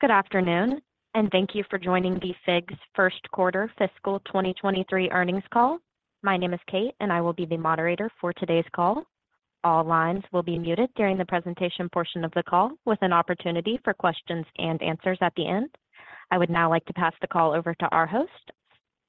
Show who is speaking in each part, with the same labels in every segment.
Speaker 1: Good afternoon, and thank you for joining the FIGS first quarter fiscal 2023 earnings call. My name is Kate, and I will be the moderator for today's call. All lines will be muted during the presentation portion of the call, with an opportunity for questions and answers at the end. I would now like to pass the call over to our host,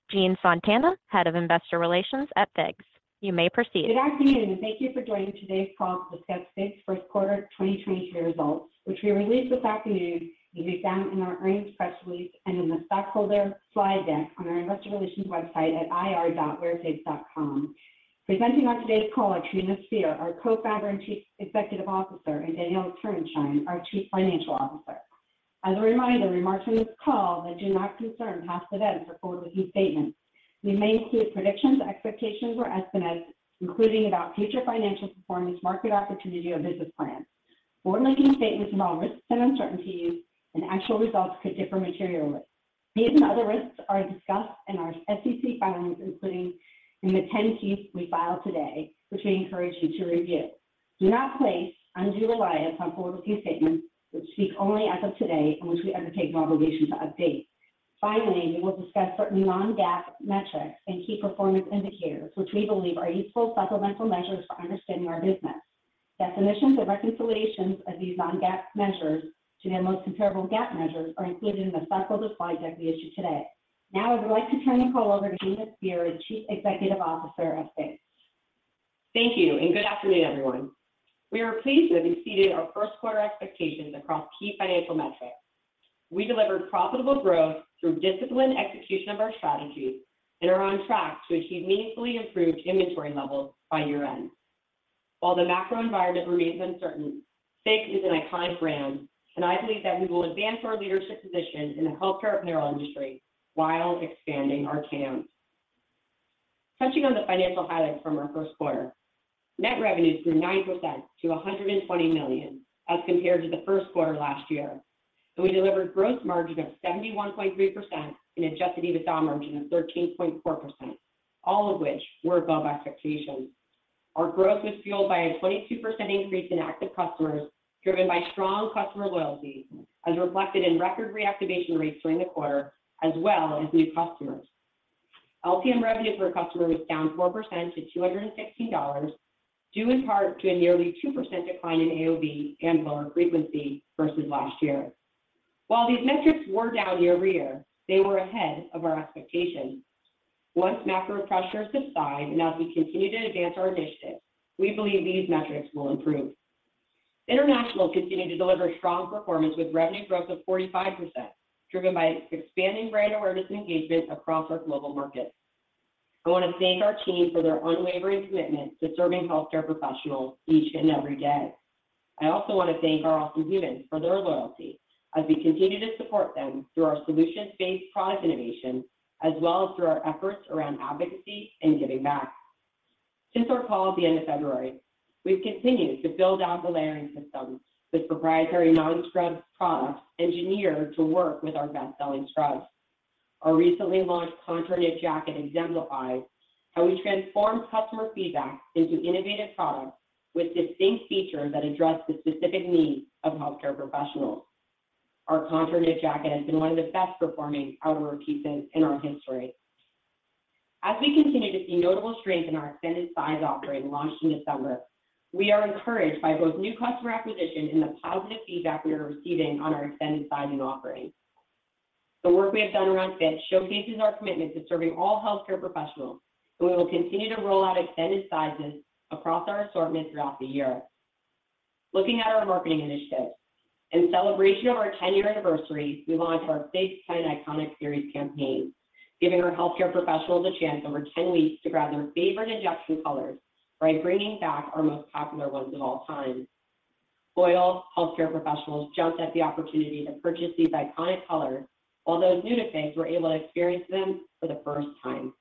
Speaker 1: Jean Fontana, Head of Investor Relations at FIGS. You may proceed.
Speaker 2: Good afternoon. Thank you for joining today's call to discuss FIGS' first quarter 2023 results, which we released this afternoon and can be found in our earnings press release and in the stockholder slide deck on our investor relations website at ir.wearfigs.com. Presenting on today's call are Trina Spear, our Co-founder and Chief Executive Officer, and Daniella Turenshine, our Chief Financial Officer. As a reminder, remarks on this call that do not concern past events are forward-looking statements. They may include predictions, expectations, or estimates, including about future financial performance, market opportunity, or business plans. Forward-looking statements involve risks and uncertainties. Actual results could differ materially. These and other risks are discussed in our SEC filings, including in the 10-Ks we filed today, which we encourage you to review. Do not place undue reliance on forward-looking statements, which speak only as of today and which we undertake no obligation to update. Finally, we will discuss certain non-GAAP metrics and key performance indicators, which we believe are useful supplemental measures for understanding our business. Definitions and reconciliations of these non-GAAP measures to their most comparable GAAP measures are included in the supplemental slide deck we issued today. I would like to turn the call over to Trina Spear, the Chief Executive Officer of FIGS.
Speaker 3: Thank you. Good afternoon, everyone. We are pleased to have exceeded our first quarter expectations across key financial metrics. We delivered profitable growth through disciplined execution of our strategy and are on track to achieve meaningfully improved inventory levels by year-end. While the macro environment remains uncertain, FIGS is an iconic brand. I believe that we will advance our leadership position in the healthcare apparel industry while expanding our chance. Touching on the financial highlights from our first quarter, net revenues grew 9% to $120 million as compared to the first quarter last year. We delivered gross margin of 71.3% and adjusted EBITDA margin of 13.4%, all of which were above expectations. Our growth was fueled by a 22% increase in active customers, driven by strong customer loyalty as reflected in record reactivation rates during the quarter, as well as new customers. LTM revenue per customer was down 4% to $216, due in part to a nearly 2% decline in AOV and lower frequency versus last year. While these metrics were down year-over-year, they were ahead of our expectations. Once macro pressures subside and as we continue to advance our initiatives, we believe these metrics will improve. International continued to deliver strong performance with revenue growth of 45%, driven by expanding brand awareness and engagement across our global markets. I want to thank our team for their unwavering commitment to serving healthcare professionals each and every day. I also want to thank our awesome humans for their loyalty as we continue to support them through our solutions-based product innovation as well as through our efforts around advocacy and giving back. Since our call at the end of February, we've continued to build out the layering system with proprietary non-Scrub products engineered to work with our best-selling Scrubs. Our recently launched ContourKnit Jacket exemplifies how we transform customer feedback into innovative products with distinct features that address the specific needs of healthcare professionals. Our ContourKnit Jacket has been one of the best-performing outerwear pieces in our history. As we continue to see notable strength in our extended size offering launched in December, we are encouraged by both new customer acquisition and the positive feedback we are receiving on our extended sizing offerings. The work we have done around fit showcases our commitment to serving all healthcare professionals, and we will continue to roll out extended sizes across our assortment throughout the year. Looking at our marketing initiatives, in celebration of our 10-year anniversary, we launched our FIGS10 Iconic Series campaign, giving our healthcare professionals a chance over 10 weeks to grab their favorite Injection Colors by bringing back our most popular ones of all time. Loyal healthcare professionals jumped at the opportunity to purchase these iconic colors, while those new to FIGS were able to experience them for the first time.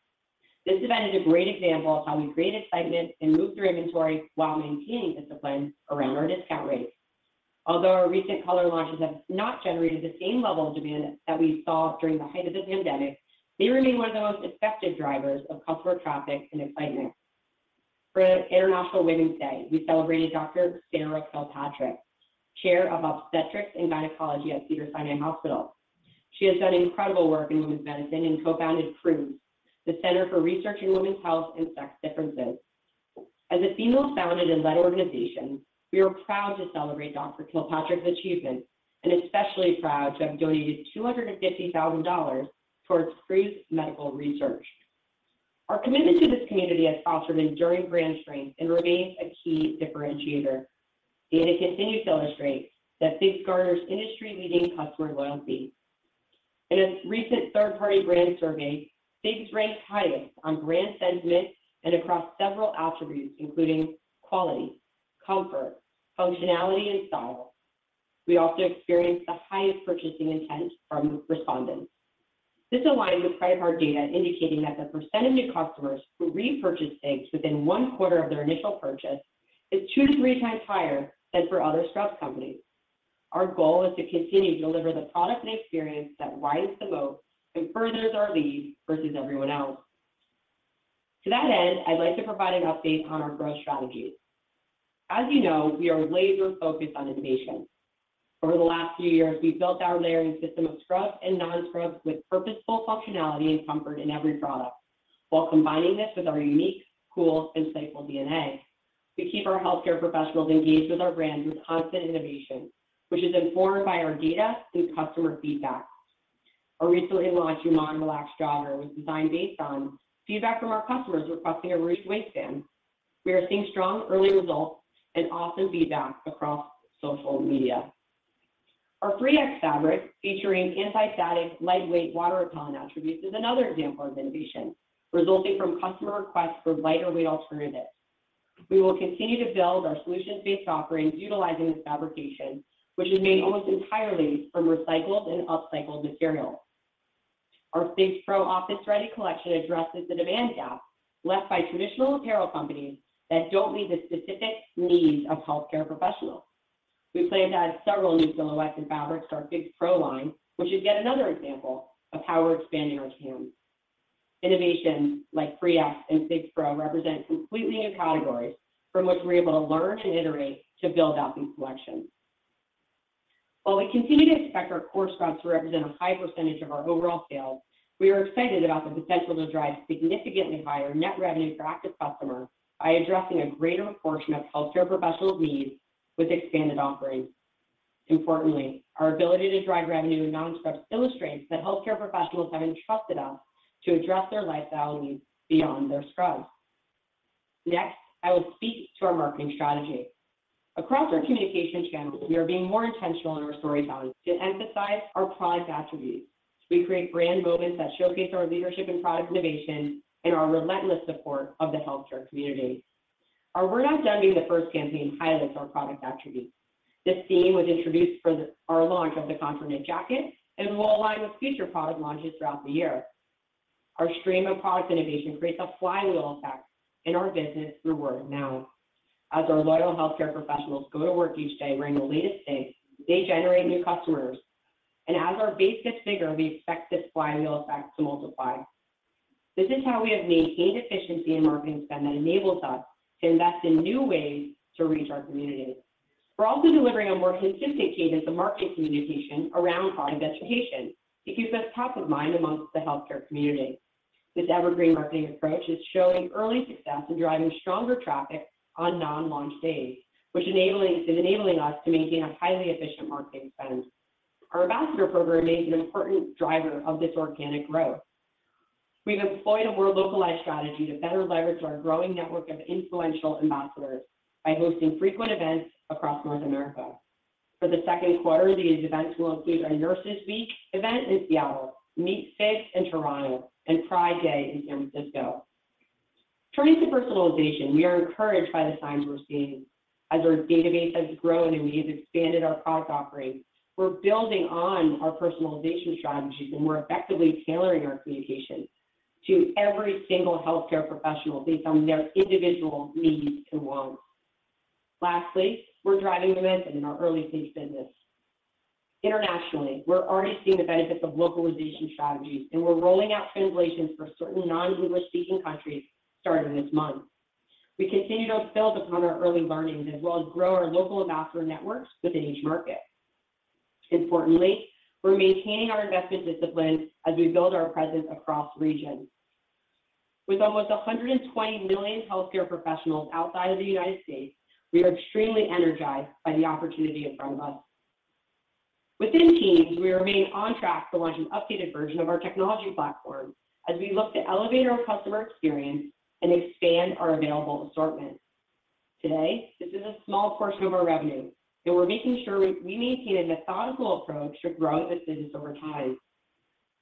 Speaker 3: This event is a great example of how we create excitement and move through inventory while maintaining discipline around our discount rates. Although our recent color launches have not generated the same level of demand that we saw during the height of the pandemic, they remain one of the most effective drivers of customer traffic and excitement. For International Women's Day, we celebrated Dr. Sarah Kilpatrick, Chair of Obstetrics and Gynecology at Cedars-Sinai Medical Center. She has done incredible work in women's medicine and co-founded CREWHS, the Center for Research in Women's Health and Sex Differences. As a female-founded and led organization, we are proud to celebrate Dr. Sarah Kilpatrick's achievements and especially proud to have donated $250,000 towards CREWHS's medical research. Our commitment to this community has fostered enduring brand strength and remains a key differentiator. Data continues to illustrate that FIGS garners industry-leading customer loyalty. In a recent third-party brand survey, FIGS ranked highest on brand sentiment and across several attributes, including quality, comfort, functionality, and style. We also experienced the highest purchasing intent from respondents. This aligns with private market data indicating that the percent of new customers who repurchase FIGS within one quarter of their initial purchase is two to three times higher than for other Scrub companies. Our goal is to continue to deliver the product and experience that rises the most and furthers our lead versus everyone else. To that end, I'd like to provide an update on our growth strategies. As you know, we are laser focused on innovation. Over the last few years, we've built our layering system of Scrubs and non-Scrubs with purposeful functionality and comfort in every product while combining this with our unique, cool, and cycle DNA to keep our healthcare professionals engaged with our brand with constant innovation, which is informed by our data through customer feedback. Our recently launched non-relax jogger was designed based on feedback from our customers requesting a raised waistband. We are seeing strong early results and awesome feedback across social media. Our FREEx fabric, featuring anti-static, lightweight, water-repellent attributes is another example of innovation resulting from customer requests for lighter weight alternatives. We will continue to build our solutions based offerings utilizing this fabrication, which is made almost entirely from recycled and upcycled materials. Our FIGSPRO office-ready collection addresses the demand gap left by traditional apparel companies that don't meet the specific needs of healthcare professionals. We plan to add several new silhouettes and fabrics to our FIGSPRO line, which is yet another example of how we're expanding our TAM. Innovation like FREEx and FIGSPRO represent completely new categories from which we're able to learn and iterate to build out these collections. While we continue to expect our core Scrubs to represent a high percentage of our overall sales, we are excited about the potential to drive significantly higher net revenue per active customer by addressing a greater portion of healthcare professionals' needs with expanded offerings. Importantly, our ability to drive revenue in non-Scrubs illustrates that healthcare professionals have entrusted us to address their lifestyle needs beyond their Scrubs. Next, I will speak to our marketing strategy. Across our communication channels, we are being more intentional in our storytelling to emphasize our product attributes as we create brand moments that showcase our leadership in product innovation and our relentless support of the healthcare community. Our We're Not Done Being The First campaign highlights our product attributes. This theme was introduced for the launch of the ContourKnit Jacket, and will align with future product launches throughout the year. Our stream of product innovation creates a flywheel effect in our business through word of mouth. As our loyal healthcare professionals go to work each day wearing the latest FIGS, they generate new customers. As our base gets bigger, we expect this flywheel effect to multiply. This is how we have maintained efficiency in marketing spend that enables us to invest in new ways to reach our community. We're also delivering a more sophisticated market communication around product education to keep us top of mind amongst the healthcare community. This evergreen marketing approach is showing early success in driving stronger traffic on non-launch days, which is enabling us to maintain a highly efficient marketing spend. Our ambassador program remains an important driver of this organic growth. We've employed a more localized strategy to better leverage our growing network of influential ambassadors by hosting frequent events across North America. For the second quarter, these events will include our Nurses Week event in Seattle, Meet Fig in Toronto, and Pride Day in San Francisco. Turning to personalization, we are encouraged by the signs we're seeing. As our database has grown and we have expanded our product offerings, we're building on our personalization strategies, and we're effectively tailoring our communication to every single healthcare professional based on their individual needs and wants. Lastly, we're driving demand in our early-phase business. Internationally, we're already seeing the benefits of localization strategies, and we're rolling out translations for certain non-English speaking countries starting this month. We continue to build upon our early learnings as well as grow our local ambassador networks within each market. Importantly, we're maintaining our investment discipline as we build our presence across regions. With almost 120 million healthcare professionals outside of the United States, we are extremely energized by the opportunity in front of us. Within TEAMS, we remain on track to launch an updated version of our technology platform as we look to elevate our customer experience and expand our available assortment. Today, this is a small portion of our revenue, and we're making sure we maintain a methodical approach to grow this business over time.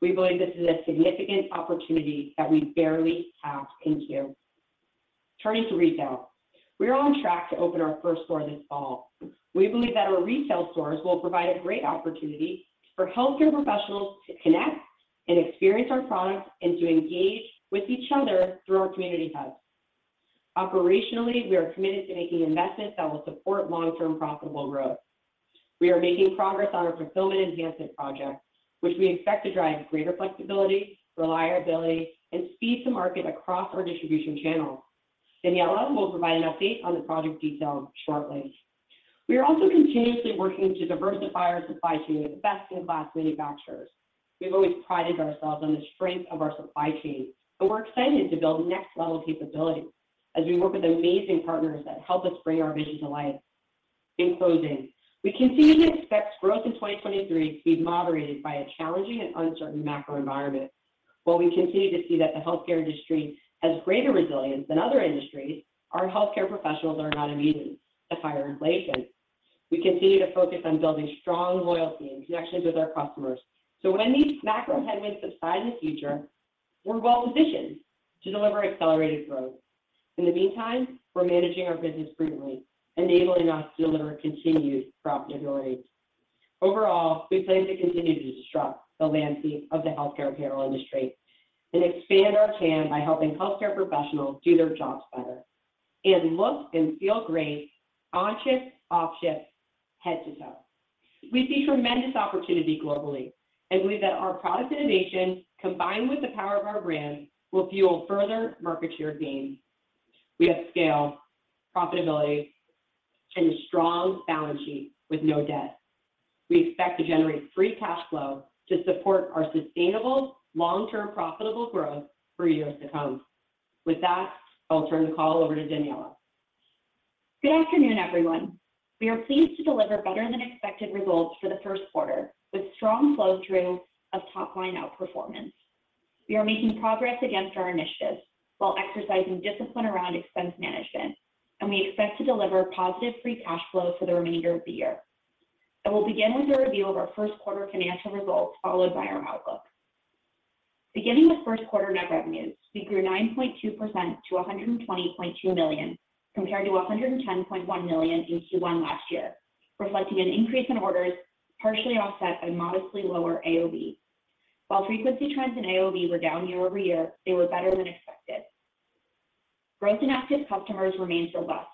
Speaker 3: We believe this is a significant opportunity that we've barely tapped into. Turning to retail. We are on track to open our first store this fall. We believe that our retail stores will provide a great opportunity for healthcare professionals to connect and experience our products and to engage with each other through our community hubs. Operationally, we are committed to making investments that will support long-term profitable growth. We are making progress on our fulfillment enhancement project, which we expect to drive greater flexibility, reliability, and speed to market across our distribution channels. Daniella will provide an update on the project details shortly. We are also continuously working to diversify our supply chain with best in class manufacturers. We've always prided ourselves on the strength of our supply chain, and we're excited to build next level capabilities as we work with amazing partners that help us bring our vision to life. In closing, we continue to expect growth in 2023 to be moderated by a challenging and uncertain macro environment. While we continue to see that the healthcare industry has greater resilience than other industries, our healthcare professionals are not immune to higher inflation. We continue to focus on building strong loyalty and connections with our customers. When these macro headwinds subside in the future, we're well positioned to deliver accelerated growth. In the meantime, we're managing our business prudently, enabling us to deliver continued profitability. Overall, we plan to continue to disrupt the landscape of the healthcare apparel industry and expand our TAM by helping healthcare professionals do their jobs better and look and feel great on shift, off shift, head to toe. We see tremendous opportunity globally and believe that our product innovation, combined with the power of our brand, will fuel further market share gains. We have scale, profitability and a strong balance sheet with no debt. We expect to generate free cash flow to support our sustainable long-term profitable growth for years to come. With that, I'll turn the call over to Daniella.
Speaker 4: Good afternoon, everyone. We are pleased to deliver better than expected results for the first quarter, with strong flow through of top line outperformance. We are making progress against our initiatives while exercising discipline around expense management. We expect to deliver positive Free Cash Flow for the remainder of the year. I will begin with a review of our first quarter financial results, followed by our outlook. Beginning with first quarter net revenues, we grew 9.2% to $120.2 million, compared to $110.1 million in Q1 last year, reflecting an increase in orders partially offset by modestly lower AOV. While frequency trends in AOV were down year-over-year, they were better than expected. Growth in active customers remained robust,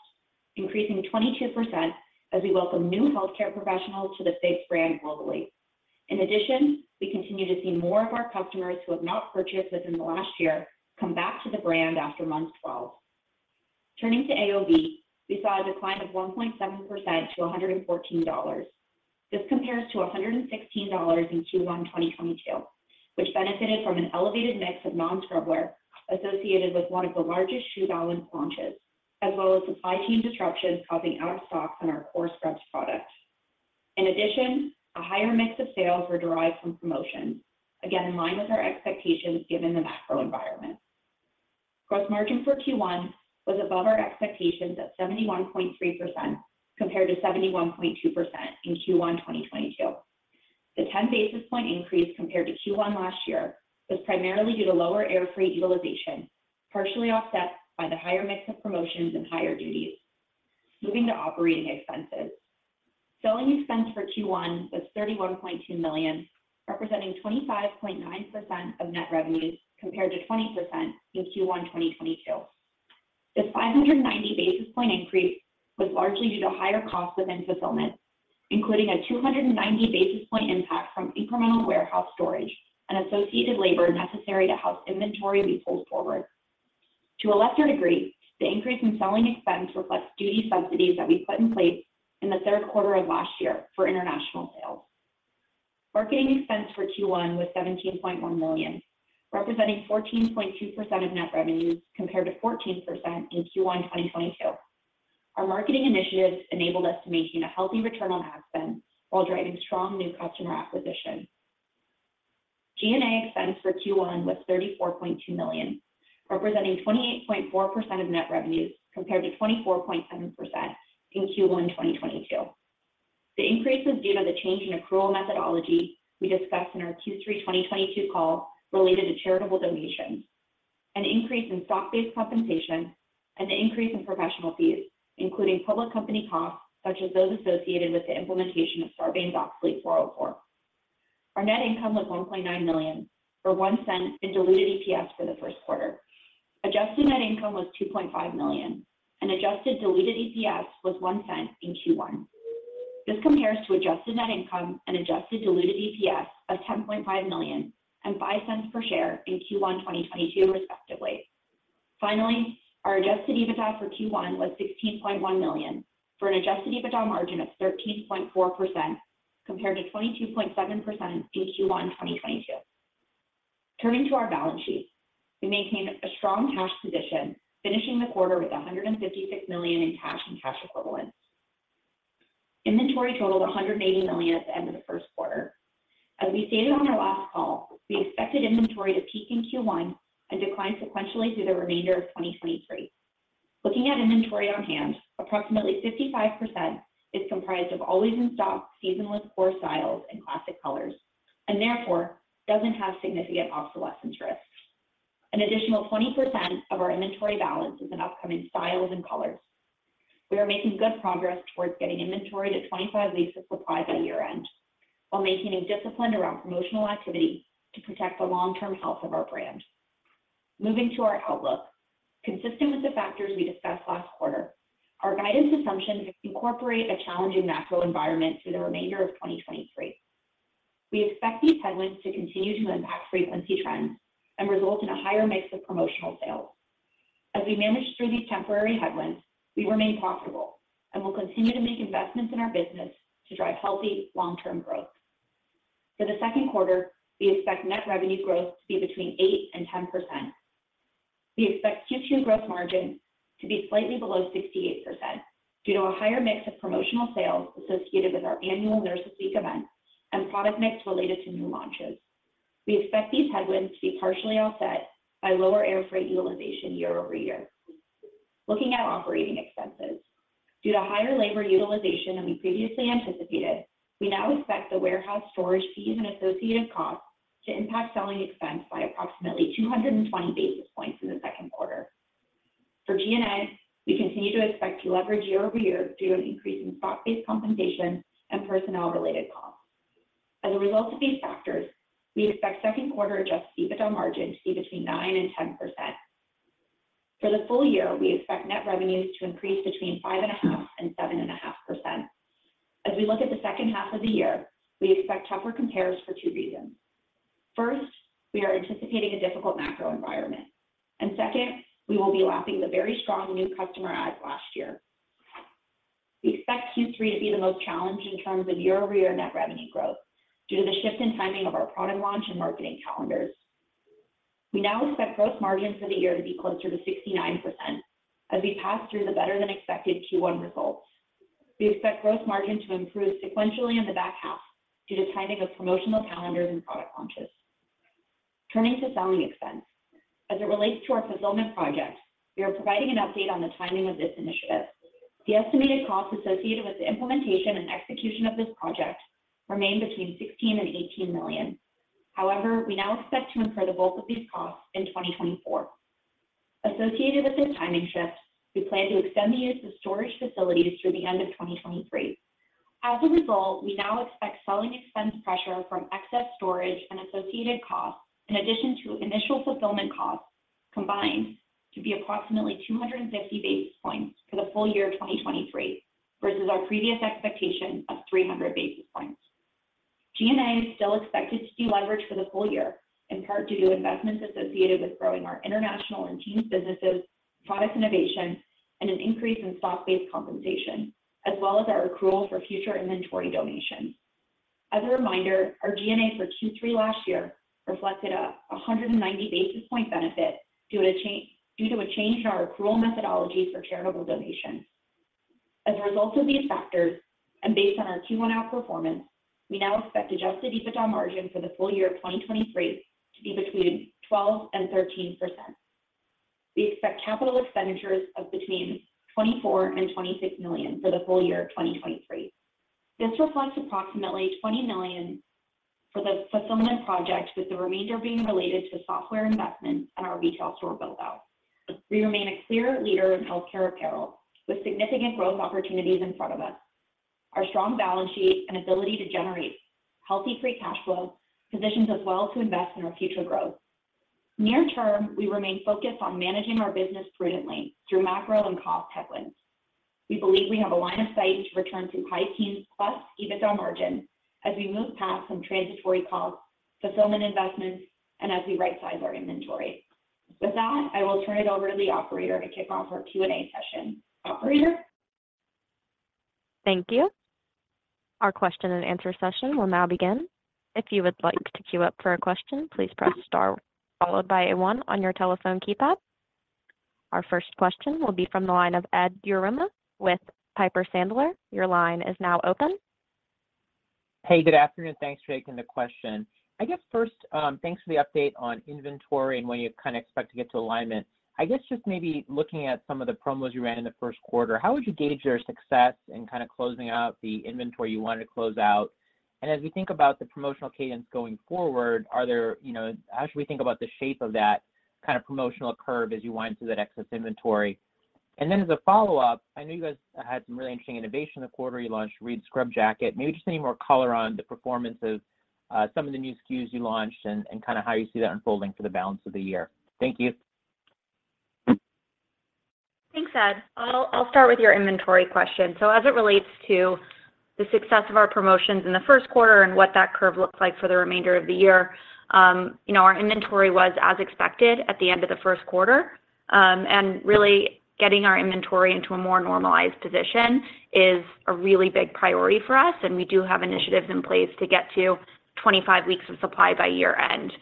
Speaker 4: increasing 22% as we welcome new healthcare professionals to the FIGS brand globally. We continue to see more of our customers who have not purchased within the last year come back to the brand after months falls. Turning to AOV, we saw a decline of 1.7% to $114. This compares to $116 in Q1 2022, which benefited from an elevated mix of non-Scrub wear associated with one of the largest New Balance launches, as well as supply chain disruptions causing out of stocks in our core Scrubs product. A higher mix of sales were derived from promotions, again, in line with our expectations given the macro environment. Gross margin for Q1 was above our expectations at 71.3%, compared to 71.2% in Q1 2022. The 10 basis point increase compared to Q1 last year was primarily due to lower air freight utilization, partially offset by the higher mix of promotions and higher duties. Moving to operating expenses. Selling expense for Q1 was $31.2 million, representing 25.9% of net revenues, compared to 20% in Q1 2022. This 590 basis point increase was largely due to higher costs within fulfillment, including a 290 basis point impact from incremental warehouse storage and associated labor necessary to house inventory we pulled forward. To a lesser degree, the increase in selling expense reflects duty subsidies that we put in place in the third quarter of last year for international sales. Marketing expense for Q1 was $17.1 million, representing 14.2% of net revenues, compared to 14% in Q1 2022. Our marketing initiatives enabled us to maintain a healthy return on ad spend while driving strong new customer acquisition. G&A expense for Q1 was $34.2 million, representing 28.4% of net revenues, compared to 24.7% in Q1 2022. The increase was due to the change in accrual methodology we discussed in our Q3 2022 call related to charitable donations, an increase in stock-based compensation, and an increase in professional fees, including public company costs such as those associated with the implementation of Sarbanes-Oxley 404. Our net income was $1.9 million, or $0.01 in diluted EPS for the first quarter. Adjusted net income was $2.5 million, and adjusted diluted EPS was $0.01 in Q1. This compares to adjusted net income and adjusted diluted EPS of $10.5 million and $0.05 per share in Q1 2022, respectively. Our adjusted EBITDA for Q1 was $16.1 million, for an adjusted EBITDA margin of 13.4% compared to 22.7% in Q1 2022. Turning to our balance sheet, we maintained a strong cash position, finishing the quarter with $156 million in cash and cash equivalents. Inventory totaled $180 million at the end of the first quarter. As we stated on our last call, we expected inventory to peak in Q1 and decline sequentially through the remainder of 2023. Looking at inventory on hand, approximately 55% is comprised of always in stock, seasonless core styles and classic colors, and therefore doesn't have significant obsolescence risks. An additional 20% of our inventory balance is in upcoming styles and colors. We are making good progress towards getting inventory to 25 weeks of supply by year-end while maintaining discipline around promotional activity to protect the long-term health of our brand. Moving to our outlook. Consistent with the factors we discussed last quarter, our guidance assumptions incorporate a challenging macro environment through the remainder of 2023. We expect these headwinds to continue to impact frequency trends and result in a higher mix of promotional sales. As we manage through these temporary headwinds, we remain profitable and will continue to make investments in our business to drive healthy long-term growth. For the second quarter, we expect net revenue growth to be between 8% and 10%. We expect Q2 gross margin to be slightly below 68% due to a higher mix of promotional sales associated with our annual Nurses Week event and product mix related to new launches. We expect these headwinds to be partially offset by lower air freight utilization year-over-year. Looking at operating expenses. Due to higher labor utilization than we previously anticipated, we now expect the warehouse storage fees and associated costs to impact selling expense by approximately 220 basis points in the second quarter. For G&A, we continue to expect to leverage year-over-year due to an increase in stock-based compensation and personnel-related costs. As a result of these factors, we expect second quarter adjusted EBITDA margin to be between 9% and 10%. For the full year, we expect net revenues to increase between 5.5% and 7.5%. As we look at the second half of the year, we expect tougher compares for two reasons. First, we are anticipating a difficult macro environment. Second, we will be lapping the very strong new customer adds last year. We expect Q3 to be the most challenged in terms of year-over-year net revenue growth due to the shift in timing of our product launch and marketing calendars. We now expect growth margins for the year to be closer to 69% as we pass through the better-than-expected Q1 results. We expect growth margin to improve sequentially in the back half due to timing of promotional calendars and product launches. Turning to selling expense. As it relates to our fulfillment project, we are providing an update on the timing of this initiative. The estimated cost associated with the implementation and execution of this project remain between $16 million and $18 million. However, we now expect to incur the bulk of these costs in 2024. Associated with this timing shift, we plan to extend the use of storage facilities through the end of 2023. As a result, we now expect selling expense pressure from excess storage and associated costs, in addition to initial fulfillment costs, combined to be approximately 250 basis points for the full year of 2023 versus our previous expectation of 300 basis points. G&A is still expected to be leveraged for the full year in part due to investments associated with growing our international and TEAMS businesses, product innovation, and an increase in stock-based compensation, as well as our accrual for future inventory donations. As a reminder, our G&A for Q3 last year reflected 190 basis point benefit due to a change in our accrual methodology for charitable donations. As a result of these factors, and based on our Q1 outperformance, we now expect adjusted EBITDA margin for the full year of 2023 to be between 12% and 13%. We expect capital expenditures of between $24 million and $26 million for the full year of 2023. This reflects approximately $20 million for the fulfillment project, with the remainder being related to software investments and our retail store build-out. We remain a clear leader in healthcare apparel with significant growth opportunities in front of us. Our strong balance sheet and ability to generate healthy Free Cash Flow positions us well to invest in our future growth. Near term, we remain focused on managing our business prudently through macro and cost headwinds. We believe we have a line of sight to return to high teens plus EBITDA margin as we move past some transitory costs, fulfillment investments, and as we right-size our inventory. With that, I will turn it over to the operator to kick off our Q&A session. Operator?
Speaker 5: Thank you. Our question and answer session will now begin. If you would like to queue up for a question, please press star followed by a one on your telephone keypad. Our first question will be from the line of Edward Yruma with Piper Sandler. Your line is now open.
Speaker 6: Hey, good afternoon. Thanks for taking the question. I guess first, thanks for the update on inventory and when you kinda expect to get to alignment. I guess just maybe looking at some of the promos you ran in the first quarter, how would you gauge their success in kinda closing out the inventory you wanted to close out? As we think about the promotional cadence going forward, are there, you know, as we think about the shape of that kind of promotional curve as you wind through that excess inventory? As a follow-up, I know you guys had some really interesting innovation this quarter. You launched Reed Scrub Jacket. Maybe just any more color on the performance of some of the new SKUs you launched and kinda how you see that unfolding for the balance of the year? Thank you.
Speaker 4: Thanks, Ed. I'll start with your inventory question. As it relates to the success of our promotions in the first quarter and what that curve looks like for the remainder of the year, you know, our inventory was as expected at the end of the first quarter. Really getting our inventory into a more normalized position is a really big priority for us, and we do have initiatives in place to get to 25 weeks of supply by year-end.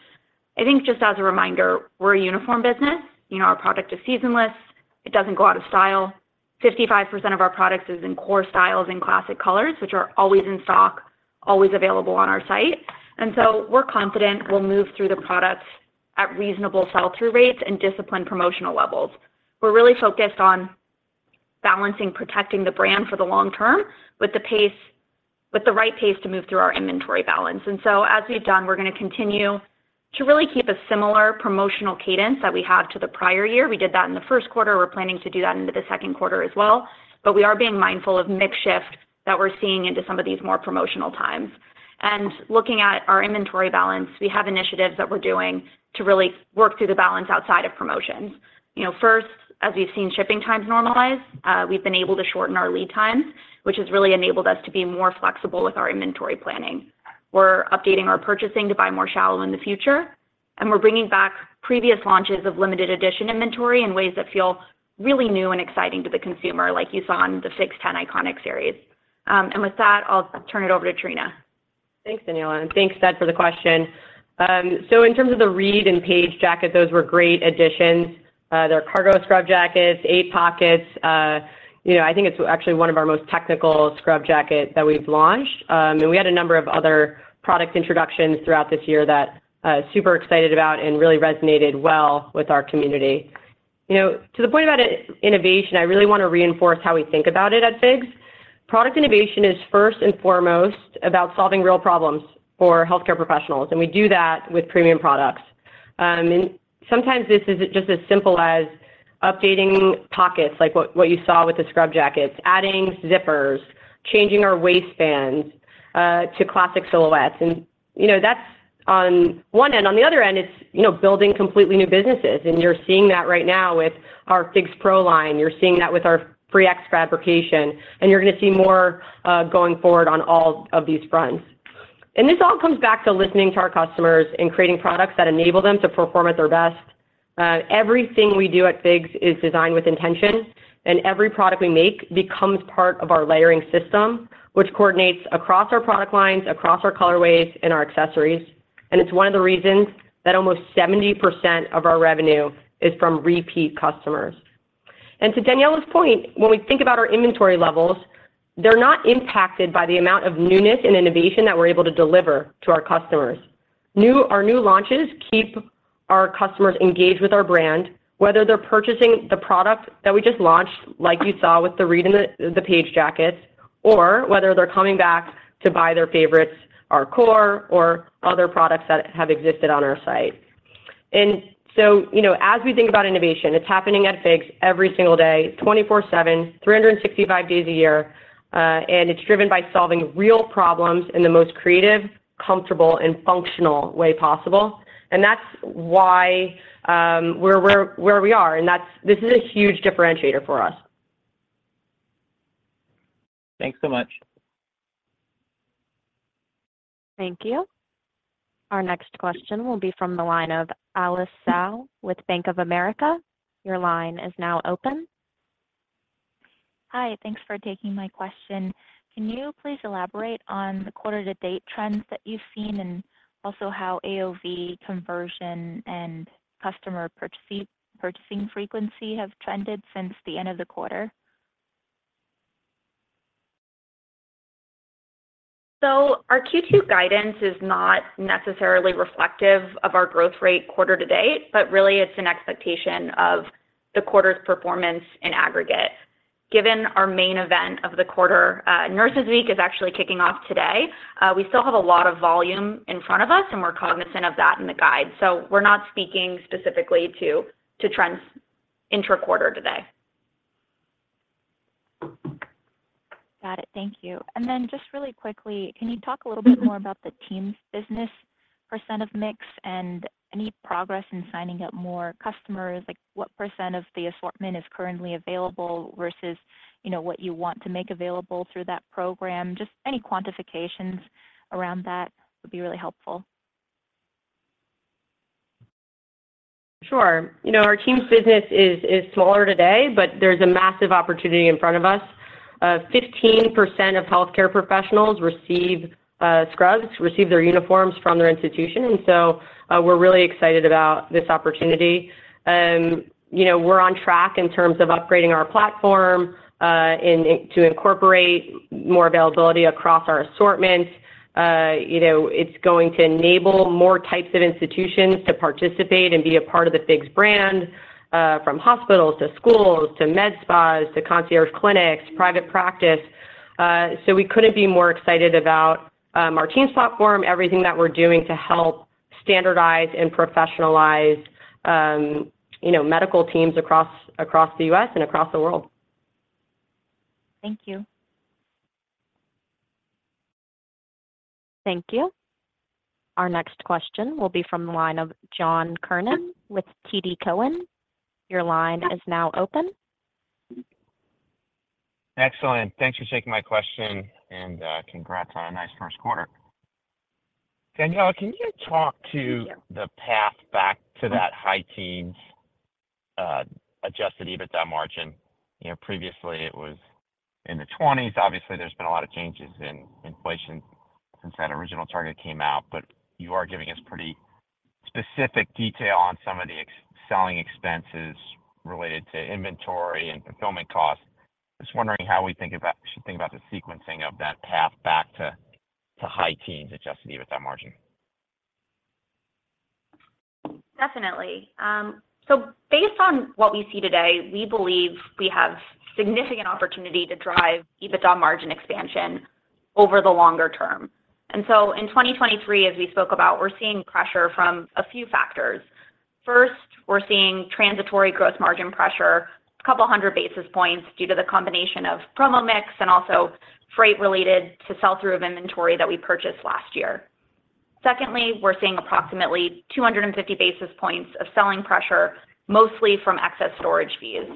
Speaker 4: I think just as a reminder, we're a uniform business. You know, our product is seasonless. It doesn't go out of style. 55% of our products is in core styles and classic colors, which are always in stock, always available on our site. We're confident we'll move through the products at reasonable sell-through rates and disciplined promotional levels. We're really focused on balancing protecting the brand for the long term with the right pace to move through our inventory balance. As we've done, we're gonna continue to really keep a similar promotional cadence that we have to the prior year. We did that in the first quarter. We're planning to do that into the second quarter as well. We are being mindful of mix shift that we're seeing into some of these more promotional times. Looking at our inventory balance, we have initiatives that we're doing to really work through the balance outside of promotions. You know, first, as we've seen shipping times normalize, we've been able to shorten our lead times, which has really enabled us to be more flexible with our inventory planning. We're updating our purchasing to buy more shallow in the future, and we're bringing back previous launches of limited edition inventory in ways that feel really new and exciting to the consumer, like you saw in the FIGS10 Iconic Series. With that, I'll turn it over to Trina.
Speaker 3: Thanks, Daniela, and thanks, Ed, for the question. In terms of the Reed and Page Jacket, those were great additions. They're cargo Scrub jackets, eight pockets. You know, I think it's actually one of our most technical Scrub jackets that we've launched. We had a number of other product introductions throughout this year that, super excited about and really resonated well with our community. You know, to the point about innovation, I really wanna reinforce how we think about it at FIGS. Product innovation is first and foremost about solving real problems for healthcare professionals, and we do that with premium products. Sometimes this is as, just as simple as updating pockets, like what you saw with the Scrub jackets, adding zippers, changing our waistbands, to classic silhouettes. You know, that's On one end. On the other end, it's, you know, building completely new businesses, you're seeing that right now with our FIGS PRO line, you're seeing that with our FREEx fabrication, and you're going to see more going forward on all of these fronts. This all comes back to listening to our customers and creating products that enable them to perform at their best. Everything we do at FIGS is designed with intention, and every product we make becomes part of our layering system, which coordinates across our product lines, across our colorways and our accessories. It's one of the reasons that almost 70% of our revenue is from repeat customers. To Daniella Turenshine's point, when we think about our inventory levels, they're not impacted by the amount of newness and innovation that we're able to deliver to our customers. Our new launches keep our customers engaged with our brand, whether they're purchasing the product that we just launched, like you saw with the Reed, and the Page jackets, or whether they're coming back to buy their favorites, our core or other products that have existed on our site. You know, as we think about innovation, it's happening at FIGS every single day, 24/7, 365 days a year, and it's driven by solving real problems in the most creative, comfortable, and functional way possible. That's why we're where we are, and that's this is a huge differentiator for us.
Speaker 6: Thanks so much.
Speaker 5: Thank you. Our next question will be from the line of Alice with Bank of America. Your line is now open.
Speaker 7: Hi. Thanks for taking my question. Can you please elaborate on the quarter to date trends that you've seen, and also how AOV conversion and customer purchasing frequency have trended since the end of the quarter?
Speaker 3: Our Q2 guidance is not necessarily reflective of our growth rate quarter to date, but really it's an expectation of the quarter's performance in aggregate. Given our main event of the quarter, Nurses Week is actually kicking off today, we still have a lot of volume in front of us, and we're cognizant of that in the guide. We're not speaking specifically to trends inter-quarter today.
Speaker 7: Got it. Thank you. Just really quickly, can you talk a little bit more about the TEAMS business % of mix and any progress in signing up more customers? Like, what % of the assortment is currently available versus, you know, what you want to make available through that program? Just any quantifications around that would be really helpful.
Speaker 3: Sure. You know, our TEAMS business is smaller today, but there's a massive opportunity in front of us. 15% of healthcare professionals receive Scrubs, receive their uniforms from their institution, we're really excited about this opportunity. You know, we're on track in terms of upgrading our platform and to incorporate more availability across our assortments. You know, it's going to enable more types of institutions to participate and be a part of the FIGS brand, from hospitals to schools to med spas to concierge clinics, private practice. We couldn't be more excited about our TEAMS platform, everything that we're doing to help standardize and professionalize, you know, medical teams across the U.S. and across the world.
Speaker 7: Thank you.
Speaker 5: Thank you. Our next question will be from the line of John Kernan with TD Cowen. Your line is now open.
Speaker 8: Excellent. Thanks for taking my question, and congrats on a nice first quarter. Daniella, can you talk
Speaker 3: Thank you....
Speaker 8: to the path back to that high teens, adjusted EBITDA margin? You know, previously, it was in the twenties. Obviously, there's been a lot of changes in inflation since that original target came out, but you are giving us pretty specific detail on some of the selling expenses related to inventory and fulfillment costs. Just wondering how we should think about the sequencing of that path back to high teens adjusted EBITDA margin.
Speaker 4: Definitely. Based on what we see today, we believe we have significant opportunity to drive EBITDA margin expansion over the longer term. In 2023, as we spoke about, we're seeing pressure from a few factors. First, we're seeing transitory gross margin pressure, a couple 100 basis points due to the combination of promo mix and also freight related to sell-through of inventory that we purchased last year. Secondly, we're seeing approximately 250 basis points of selling pressure, mostly from excess storage fees.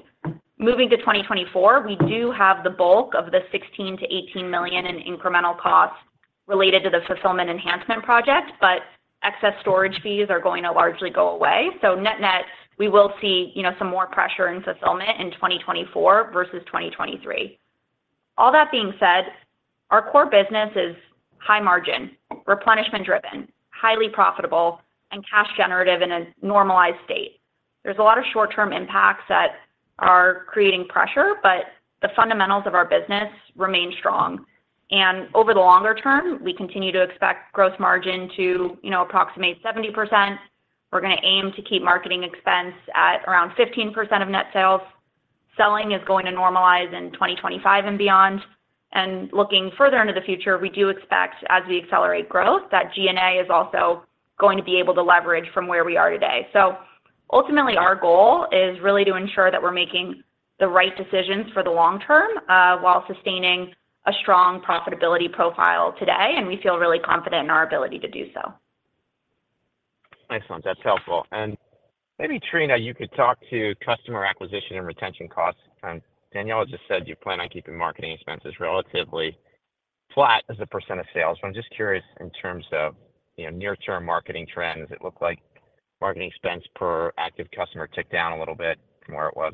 Speaker 4: Moving to 2024, we do have the bulk of the $16 million-$18 million in incremental costs related to the fulfillment enhancement project, but excess storage fees are going to largely go away. Net-net, we will see, you know, some more pressure in fulfillment in 2024 versus 2023. All that being said, our core business is high margin, replenishment driven, highly profitable, and cash generative in a normalized state. There's a lot of short-term impacts that are creating pressure, but the fundamentals of our business remain strong. Over the longer term, we continue to expect gross margin to, you know, approximate 70%. We're gonna aim to keep marketing expense at around 15% of net sales. Selling is going to normalize in 2025 and beyond. Looking further into the future, we do expect, as we accelerate growth, that G&A is also going to be able to leverage from where we are today. Ultimately, our goal is really to ensure that we're making the right decisions for the long term, while sustaining a strong profitability profile today, and we feel really confident in our ability to do so.
Speaker 8: Excellent. That's helpful. Maybe, Trina, you could talk to customer acquisition and retention costs. Daniella just said you plan on keeping marketing expenses relatively flat as a % of sales. I'm just curious in terms of, you know, near-term marketing trends, it looked like marketing expense per active customer ticked down a little bit from where it was,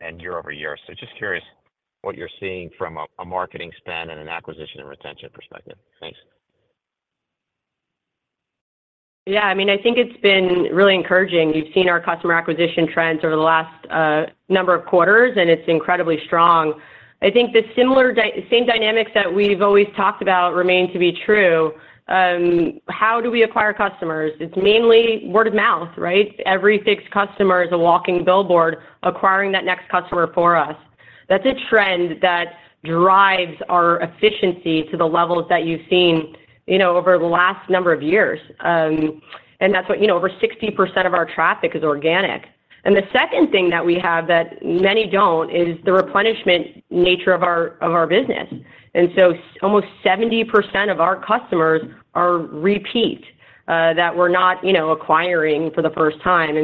Speaker 8: and year-over-year. Just curious what you're seeing from a marketing spend and an acquisition and retention perspective. Thanks.
Speaker 3: Yeah. I mean, I think it's been really encouraging. We've seen our customer acquisition trends over the last number of quarters, and it's incredibly strong. I think the same dynamics that we've always talked about remain to be true. How do we acquire customers? It's mainly word of mouth, right? Every FIGS customer is a walking billboard acquiring that next customer for us. That's a trend that drives our efficiency to the levels that you've seen, you know, over the last number of years. You know, over 60% of our traffic is organic. The second thing that we have that many don't is the replenishment nature of our business. Almost 70% of our customers are repeat that we're not, you know, acquiring for the first time.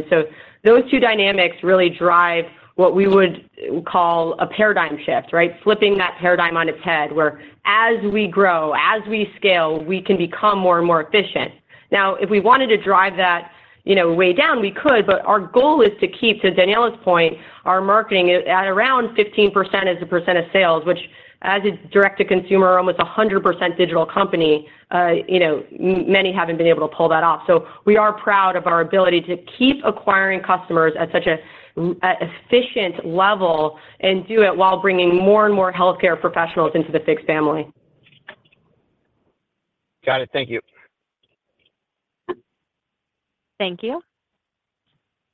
Speaker 3: Those two dynamics really drive what we would call a paradigm shift, right, flipping that paradigm on its head, where as we grow, as we scale, we can become more and more efficient. Now, if we wanted to drive that, you know, way down, we could. Our goal is to keep, to Daniella's point, our marketing at around 15% as a percent of sales, which as a direct-to-consumer, almost 100% digital company, you know, many haven't been able to pull that off. We are proud of our ability to keep acquiring customers at such an efficient level and do it while bringing more and more healthcare professionals into the FIGS family.
Speaker 8: Got it. Thank you.
Speaker 5: Thank you.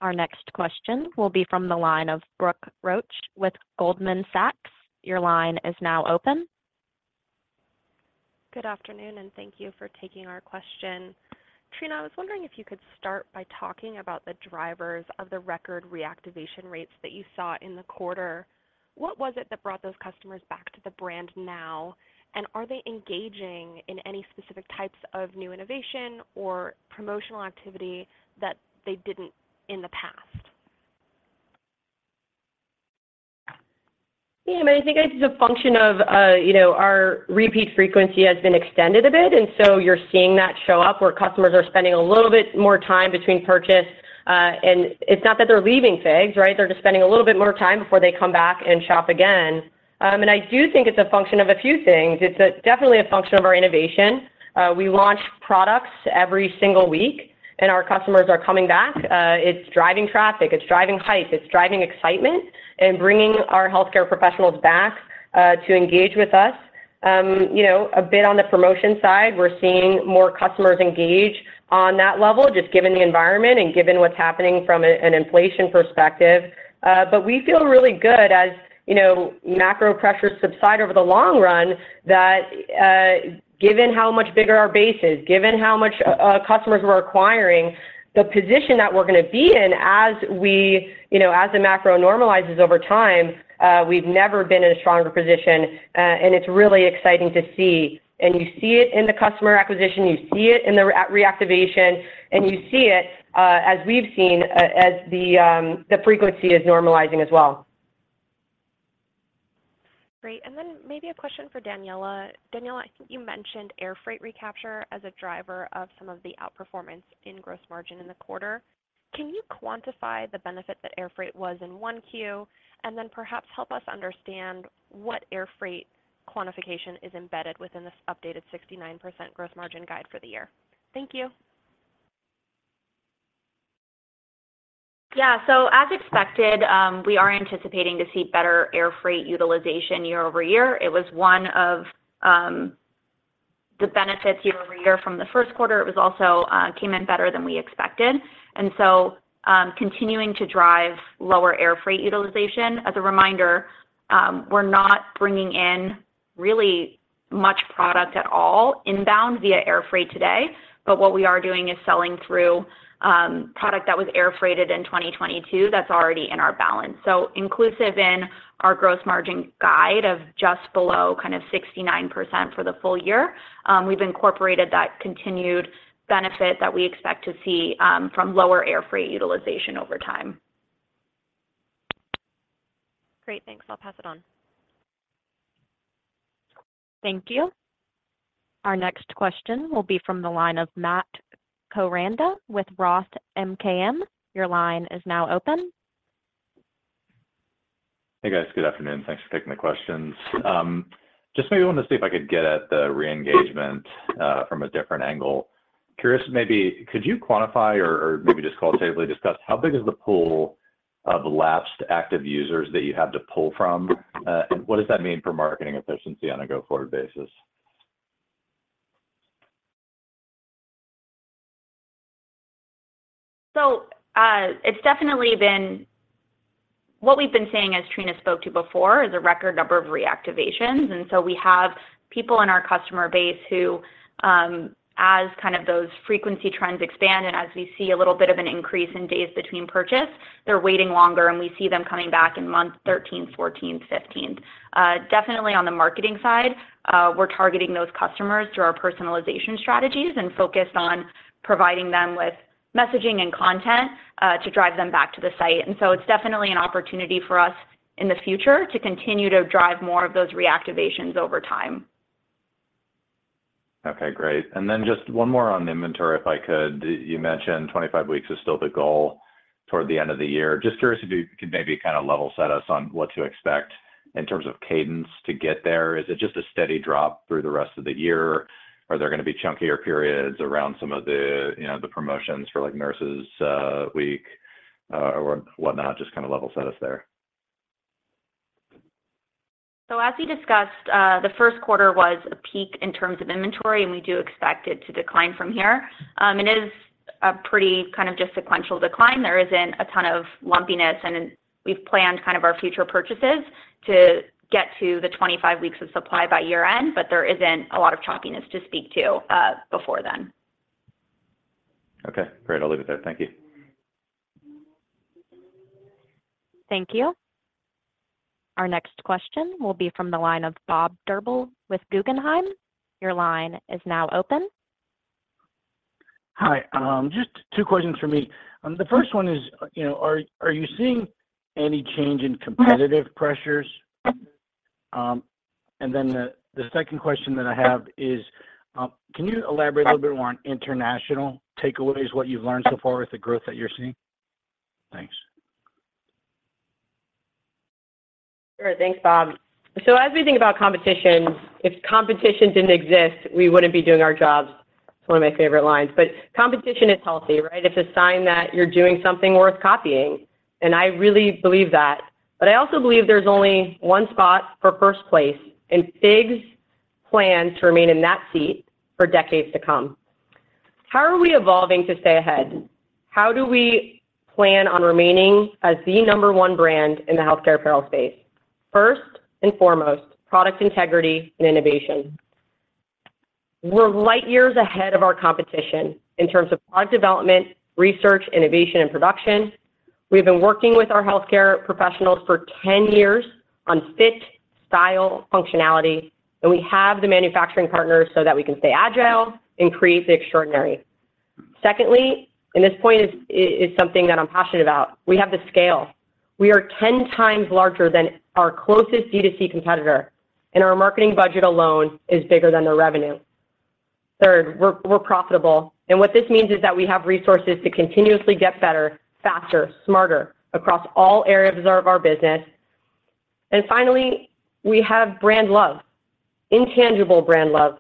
Speaker 5: Our next question will be from the line of Brooke Roach with Goldman Sachs. Your line is now open.
Speaker 9: Good afternoon. Thank you for taking our question. Trina, I was wondering if you could start by talking about the drivers of the record reactivation rates that you saw in the quarter. What was it that brought those customers back to the brand now? Are they engaging in any specific types of new innovation or promotional activity that they didn't in the past?
Speaker 3: Yeah. I mean, I think it's a function of, you know, our repeat frequency has been extended a bit. You're seeing that show up where customers are spending a little bit more time between purchase. It's not that they're leaving FIGS, right? They're just spending a little bit more time before they come back and shop again. I do think it's a function of a few things. It's definitely a function of our innovation. We launch products every single week. Our customers are coming back. It's driving traffic, it's driving hype, it's driving excitement and bringing our healthcare professionals back to engage with us. You know, a bit on the promotion side, we're seeing more customers engage on that level, just given the environment and given what's happening from an inflation perspective. We feel really good as, you know, macro pressures subside over the long run that, given how much bigger our base is, given how much customers we're acquiring, the position that we're gonna be in you know, as the macro normalizes over time, we've never been in a stronger position. It's really exciting to see, and you see it in the customer acquisition, you see it in the re-reactivation, and you see it as we've seen as the frequency is normalizing as well.
Speaker 9: Great. Maybe a question for Daniella. Daniella, I think you mentioned air freight recapture as a driver of some of the outperformance in gross margin in the quarter. Can you quantify the benefit that air freight was in 1Q, perhaps help us understand what air freight quantification is embedded within this updated 69% gross margin guide for the year? Thank you.
Speaker 4: Yeah. As expected, we are anticipating to see better air freight utilization year-over-year. It was one of the benefits year-over-year from the first quarter. It was also, came in better than we expected. Continuing to drive lower air freight utilization. As a reminder, we're not bringing in really much product at all inbound via air freight today. What we are doing is selling through product that was air freighted in 2022 that's already in our balance. Inclusive in our gross margin guide of just below kind of 69% for the full year, we've incorporated that continued benefit that we expect to see from lower air freight utilization over time.
Speaker 9: Great. Thanks. I'll pass it on.
Speaker 5: Thank you. Our next question will be from the line of Matt Koranda with Roth MKM. Your line is now open.
Speaker 10: Hey, guys. Good afternoon. Thanks for taking the questions. just maybe wanted to see if I could get at the re-engagement from a different angle. Curious, maybe could you quantify or maybe just qualitatively discuss how big is the pool of lapsed active users that you have to pull from? What does that mean for marketing efficiency on a go-forward basis?
Speaker 4: It's definitely been. What we've been saying, as Trina spoke to before, is a record number of reactivations. We have people in our customer base who, as kind of those frequency trends expand and as we see a little bit of an increase in days between purchase, they're waiting longer, and we see them coming back in month 13, 14, 15. Definitely on the marketing side, we're targeting those customers through our personalization strategies and focused on providing them with messaging and content to drive them back to the site. It's definitely an opportunity for us in the future to continue to drive more of those reactivations over time.
Speaker 10: Okay, great. Then just one more on inventory, if I could. You mentioned 25 weeks is still the goal toward the end of the year. Just curious if you could maybe kinda level set us on what to expect in terms of cadence to get there. Is it just a steady drop through the rest of the year? Are there gonna be chunkier periods around some of the, you know, the promotions for, like, Nurses Week or whatnot? Just kinda level set us there.
Speaker 3: As we discussed, the first quarter was a peak in terms of inventory, and we do expect it to decline from here. It is a pretty kind of just sequential decline. There isn't a ton of lumpiness, we've planned kind of our future purchases to get to the 25 weeks of supply by year-end, but there isn't a lot of choppiness to speak to before then.
Speaker 10: Okay, great. I'll leave it there. Thank you.
Speaker 5: Thank you. Our next question will be from the line of Bob Drbul with Guggenheim. Your line is now open.
Speaker 11: Hi. Just two questions from me. The first one is, you know, are you seeing any change in competitive pressures? The second question that I have is, can you elaborate a little bit more on international takeaways, what you've learned so far with the growth that you're seeing? Thanks.
Speaker 3: Sure. Thanks, Bob. As we think about competition, if competition didn't exist, we wouldn't be doing our jobs. It's one of my favorite lines. Competition is healthy, right? It's a sign that you're doing something worth copying, and I really believe that. I also believe there's only one spot for first place, and FIGS' plan to remain in that seat for decades to come. How are we evolving to stay ahead? How do we plan on remaining as the number one brand in the healthcare apparel space? First and foremost, product integrity and innovation. We're light years ahead of our competition in terms of product development, research, innovation, and production. We've been working with our healthcare professionals for 10 years on fit, style, functionality, and we have the manufacturing partners so that we can stay agile and create the extraordinary. Secondly, this point is something that I'm passionate about, we have the scale. We are 10 times larger than our closest D2C competitor, our marketing budget alone is bigger than their revenue. Third, we're profitable, what this means is that we have resources to continuously get better, faster, smarter across all areas of our business. Finally, we have brand love, intangible brand love.